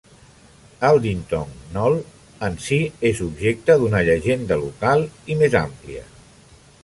Aldington Knoll en si és objecte d'una llegenda local i més àmplia.